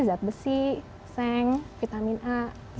zat besi seng vitamin a